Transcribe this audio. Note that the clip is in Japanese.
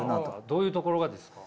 どういうところがですか？